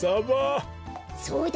そうだ。